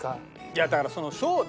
いやだからその昭和。